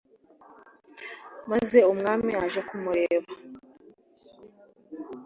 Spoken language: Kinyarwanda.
Maze umwami aje kumureba